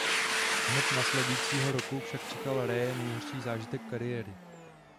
Hned následujícího roku však čekal Raye nejhorší zážitek kariéry.